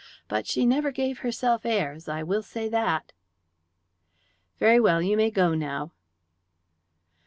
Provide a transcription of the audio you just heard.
But she never gave herself airs I will say that." "Very well. You may go now."